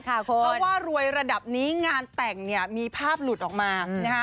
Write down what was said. เพราะว่ารวยระดับนี้งานแต่งเนี่ยมีภาพหลุดออกมานะคะ